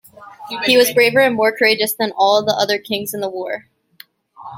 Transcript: He was braver and more courageous than all the other kings in the war.